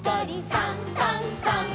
「さんさんさん」